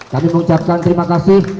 kami mengucapkan terima kasih